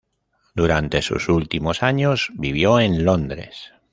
Durante sus últimos años vivió en Londres.